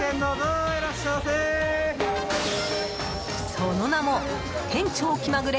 その名も店長気まぐれ